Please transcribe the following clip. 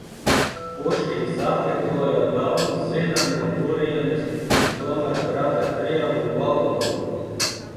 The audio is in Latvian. Puškins atlidoja velns zina no kurienes un tomēr prata krievu valodu.